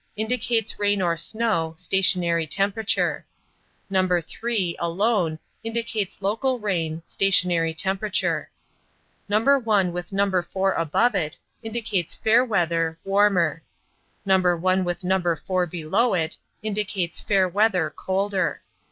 Indicates rain or snow, stationary temperature. No. 3, alone, indicates local rain, stationary temperature. No. 1, with No. 4 above it, indicates fair weather, warmer No. 1, with No. 4 below it, indicates fair weather, colder.